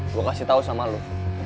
gue kasih tau sama lo